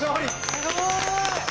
すごい！